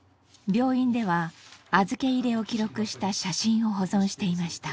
病院では預け入れを記録した写真を保存していました。